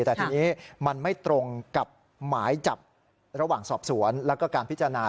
แต่ทีนี้มันไม่ตรงกับหมายจับระหว่างสอบสวนแล้วก็การพิจารณา